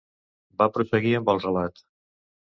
Va prosseguir amb el relat.